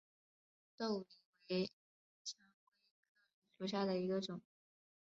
豆梨为蔷薇科梨属下的一个种。